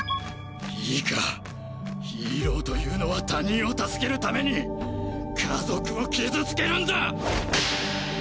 いいかヒーローというのは他人をたすけるために家族を傷つけるんだ！